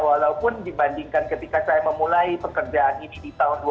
walaupun dibandingkan ketika saya memulai pekerjaan ini di tahun dua ribu